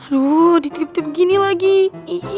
loh ditip tip gini lagi